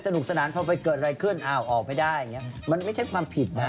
หลุกสนานพอไปเกิดอะไรขึ้นออกไม่ได้มันไม่ใช่ความผิดนะ